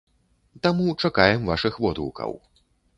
Таму чакаем вашых водгукаў.